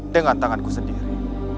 dengan tanganku sendiri